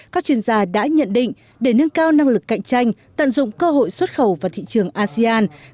các chuyên gia đã nhận định để nâng cao năng lực cạnh tranh tận dụng cơ hội xuất khẩu vào thị trường asean